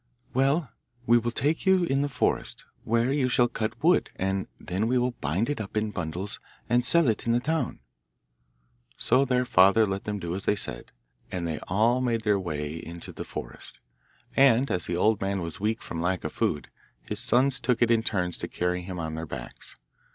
'Well, we will take you in the forest, where you shall cut wood, and then we will bind it up in bundles and sell it in the town.' So their father let them do as they said, and they all made their way into the forest; and as the old man was weak from lack of food his sons took it in turns to carry him on their backs.